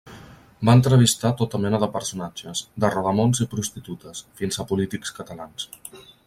Va entrevistar tota mena de personatges, de rodamons i prostitutes, fins a polítics catalans.